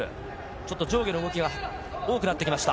ちょっと上下の動きが多くなってきました。